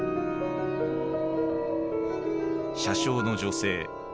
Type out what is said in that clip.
車掌の女性。